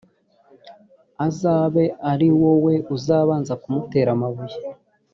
azabe ari wowe ubanza kumutera amabuye